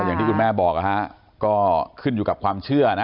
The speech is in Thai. อย่างที่คุณแม่บอกนะฮะก็ขึ้นอยู่กับความเชื่อนะ